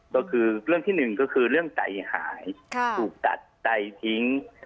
ก็คือเรื่องที่หนึ่งก็คือเรื่องใจหายถูกตัดใจทิ้ง